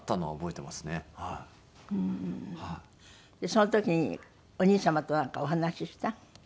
その時にお兄様となんかお話しした？